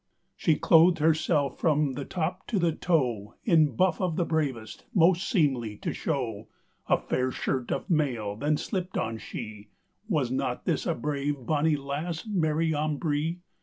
She clothed herselfe from the top to the toe In buffe of the bravest, most seemelye to showe; A faire shirt of male then slipped on shee: Was not this a brave bonny lasse, Mary Ambree?